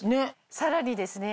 さらにですね